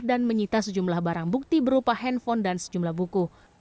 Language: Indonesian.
dan menyita sejumlah barang bukti berupa handphone dan sejumlah buku